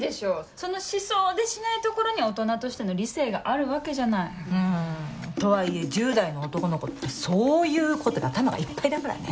そのしそうでしないところに大人としての理性があるわけじゃないとはいえ１０代の男の子ってそういうことで頭がいっぱいだからね・